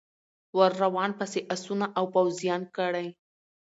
ور روان پسي آسونه او پوځیان کړی